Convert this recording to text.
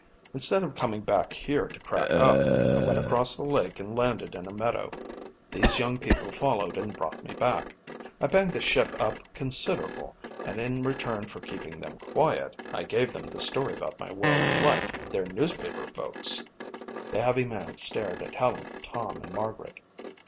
Instead of coming back here to crack up I went across the lake and landed in a meadow. These young people followed and brought me back. I banged the ship up considerable and in return for keeping them quiet, I gave them the story about my world flight. They're newspaper folks." The heavy man stared at Helen, Tom and Margaret.